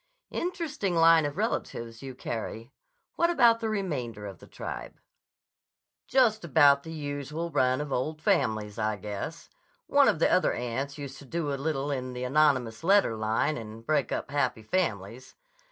"Interesting line of relatives you carry. What about the remainder of the tribe?" "Just about the usual run of old families, I guess. One of the other aunts used to do a little in the anonymous letter line and break up happy families.